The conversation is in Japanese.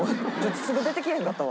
すぐ出てけえへんかったわ。